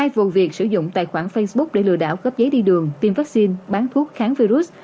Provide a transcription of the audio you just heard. hai vụ việc sử dụng tài khoản facebook để lừa đảo cấp giấy đi đường tiêm vaccine bán thuốc kháng virus